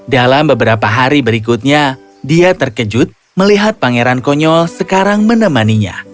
dalam beberapa hari berikutnya dia terkejut melihat pangeran konyol sekarang menemaninya